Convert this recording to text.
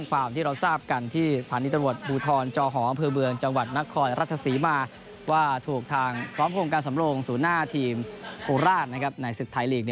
ว่าถูกทางพร้อมทำงานสำรงสู่หน้าทีมโนราชในศึกถ่ายหลีก